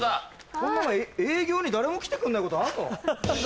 こんなの営業に誰も来てくんないことあんの？